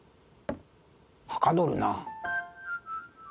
はかどるなあ。